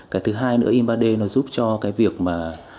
cái thứ hai nữa in ba d nó giúp cho cái việc mà